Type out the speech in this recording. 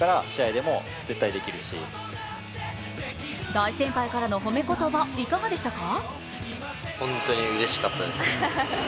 大先輩からの褒め言葉、いかがでしたか？